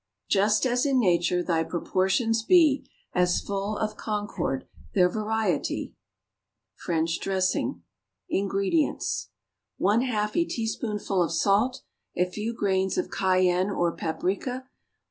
"Just, as in nature, thy proportions be, As full of concord their variety." =French Dressing.= INGREDIENTS. 1/2 a teaspoonful of salt. A few grains of cayenne or paprica.